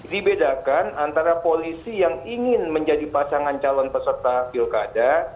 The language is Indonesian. dibedakan antara polisi yang ingin menjadi pasangan calon peserta pilkada